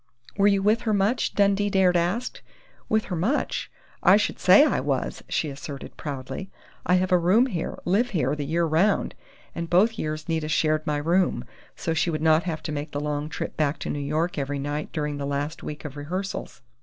"Were you with her much?" Dundee dared ask. "With her much?... I should say I was!" she asserted proudly. "I have a room here, live here the year 'round, and both years Nita shared my room, so she would not have to make the long trip back to New York every night during the last week of rehearsals.